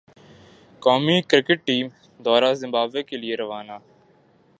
قومی cricket team دورہ Zimbabwe کے لئے روانہ